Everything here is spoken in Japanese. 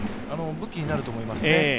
武器になると思いますね。